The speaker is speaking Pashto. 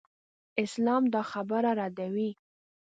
اسلام دا خبره ردوي.